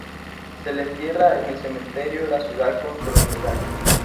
Se le entierra en el cementerio de la ciudad con solemnidad.